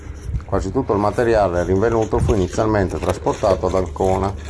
Quasi tutto il materiale rinvenuto fu inizialmente trasportato ad Ancona.